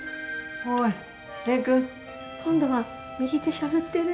おい蓮くん！今度は右手しゃぶってる。